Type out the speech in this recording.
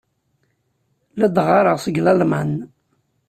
La d-ɣɣareɣ seg Lalman.